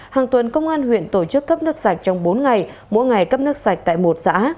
hàng tuần công an huyện tổ chức cấp nước sạch trong bốn ngày mỗi ngày cấp nước sạch tại một xã